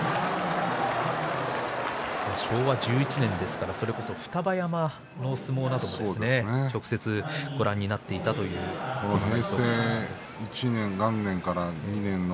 昭和１１年ですから、それこそ双葉山の相撲なども直接ご覧になっていたということです。